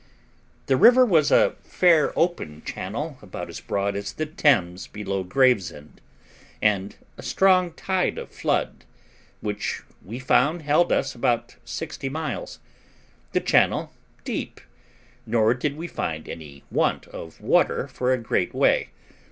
The river was a fair open channel, about as broad as the Thames below Gravesend, and a strong tide of flood, which we found held us about sixty miles; the channel deep, nor did we find any want of water for a great way.